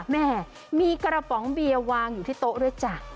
แม่มีกระป๋องเบียร์วางอยู่ที่โต๊ะด้วยจ้ะ